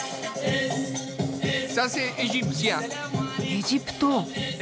エジプト。